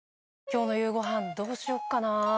今日の夕ご飯どうしよっかなぁ？